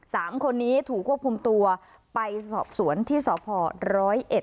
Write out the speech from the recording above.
สามคนนี้ถูกควบคุมตัวไปสอบสวนที่สพร้อยเอ็ด